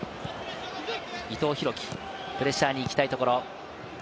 伊藤洋輝、プレッシャーに行きたいところ。